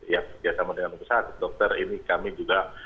ya sama dengan rumah sakit dokter ini kami juga